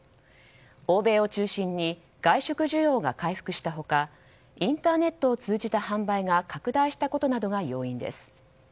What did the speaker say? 欧米を中心に外食需要が回復した他インターネットを通じた販売が拡大したことなどが要因です。